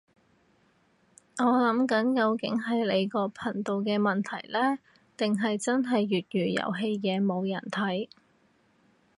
我諗緊究竟係你個頻道嘅問題呢，定係真係粵語遊戲嘢冇人睇